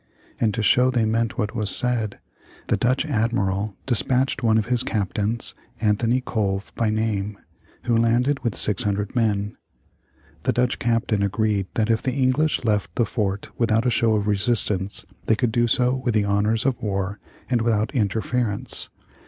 And to show they meant what was said, the Dutch admiral despatched one of his captains, Anthony Colve by name, who landed with 600 men. The Dutch captain agreed that if the English left the fort without a show of resistance, they could do so with the honors of war and without interference.